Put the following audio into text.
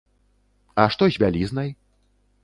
А што з бялізнай?